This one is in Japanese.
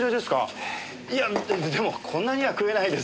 いやでもこんなには食えないですよ。